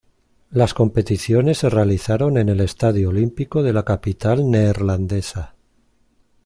Las competiciones se realizaron en el Estadio Olímpico de la capital neerlandesa.